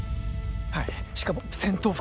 はいしかも戦闘服